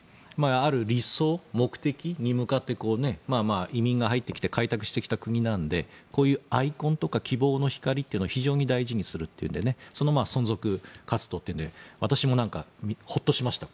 ある理想、目的に向かって移民が入ってきて開拓してきた国なのでこういうアイコンとか希望の光というのを非常に大事にするというのでその存続活動というのは私もホッとしました。